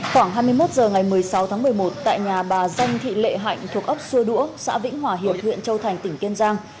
khoảng hai mươi một h ngày một mươi sáu tháng một mươi một tại nhà bà danh thị lệ hạnh thuộc ấp xua đũa xã vĩnh hòa hiệp huyện châu thành tỉnh kiên giang